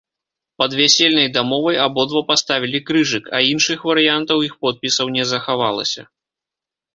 Пад вясельнай дамовай абодва паставілі крыжык, а іншых варыянтаў іх подпісаў не захавалася.